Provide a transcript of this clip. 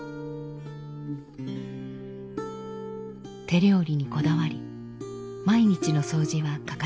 手料理にこだわり毎日の掃除は欠かさない。